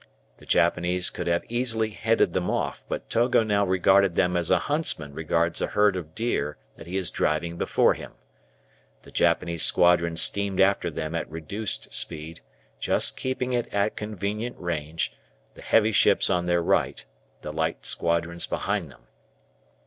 The Japanese could have easily headed them off, but Togo now regarded them as a huntsman regards a herd of deer that he is driving before him. The Japanese squadron steamed after them at reduced speed, just keeping at convenient range, the heavy ships on their right, the light squadrons behind them.